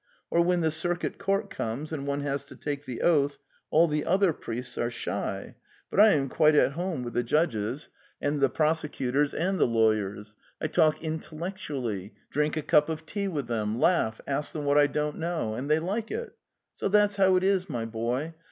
... Or when the circuit court comes and one has to take the oath, all the other priests are shy, but I am quite at home with the judges, 294 The Tales of Chekhov the prosecutors, and the lawyers. I talk intellectu ally, drink a cup of tea with them, laugh, ask them what I don't know, ... and they like it. So that's how it is, my boy.